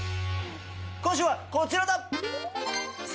今週はこちらだ。